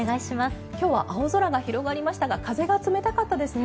今日は青空が広がりましたが風が冷たかったですね。